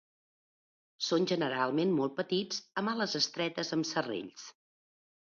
Són generalment molt petits amb ales estretes amb serrells.